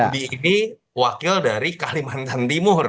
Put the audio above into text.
di ini wakil dari kalimantan timur